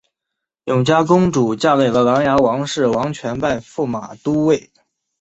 永嘉公主嫁给了琅琊王氏王铨拜驸马都尉。